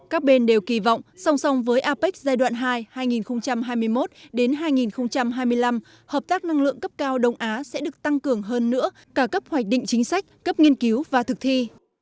các bên đều kỳ vọng song song với apec giai đoạn hai hai nghìn hai mươi một hai nghìn hai mươi năm hợp tác năng lượng cấp cao đông á sẽ được tăng cường hơn nữa cả cấp hoạch định chính sách cấp nghiên cứu và thực thi